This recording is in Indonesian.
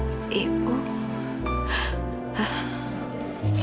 aku minta ibu aku minta ibu